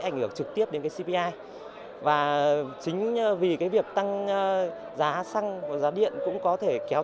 ảnh hưởng trực tiếp đến cái cpi và chính vì cái việc tăng giá xăng giá điện cũng có thể kéo